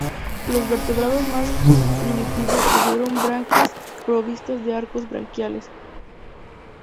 Los vertebrados más primitivos tuvieron branquias provistas de arcos branquiales.